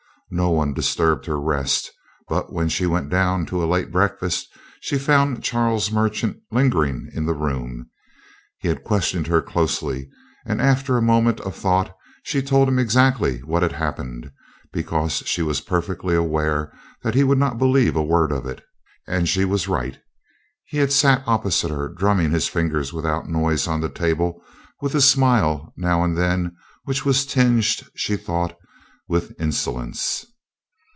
No one disturbed her rest; but when she went down to a late breakfast she found Charles Merchant lingering in the room. He had questioned her closely, and after a moment of thought she told him exactly what had happened, because she was perfectly aware that he would not believe a word of it. And she was right. He had sat opposite her, drumming his fingers without noise on the table, with a smile now and then which was tinged, she thought, with insolence.